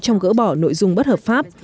trong gỡ bỏ nội dung bất hợp pháp